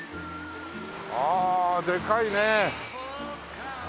ああでかいね。